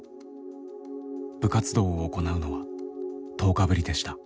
部活動を行うのは１０日ぶりでした。